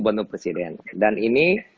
bantuan presiden dan ini